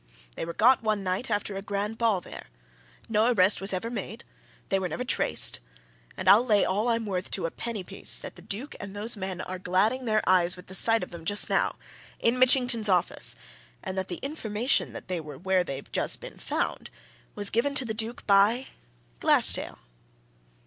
They were got one night after a grand ball there; no arrest was ever made, they were never traced. And I'll lay all I'm worth to a penny piece that the Duke and those men are gladding their eyes with the sight of them just now! in Mitchington's office and that the information that they were where they've just been found was given to the Duke by Glassdale!"